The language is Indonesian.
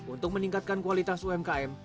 untuk meningkatkan kualitas umkm